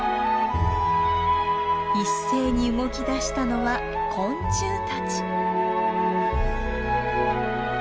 一斉に動きだしたのは昆虫たち。